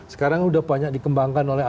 sekarang sudah banyak dikembangkan oleh